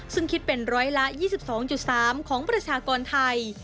ซึ่งคิดเป็นร้อยละ๒๒๓ของประชากรไทย